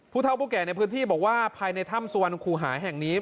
เท่าผู้แก่ในพื้นที่บอกว่าภายในถ้ำสุวรรณคูหาแห่งนี้